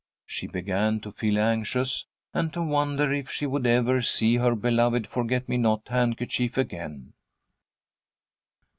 She began to feel anxious, and to wonder if she would ever see her beloved forget me not handkerchief again.